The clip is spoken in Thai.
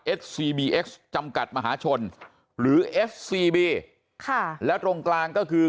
ซีบีเอ็กซ์จำกัดมหาชนหรือเอฟซีบีค่ะแล้วตรงกลางก็คือ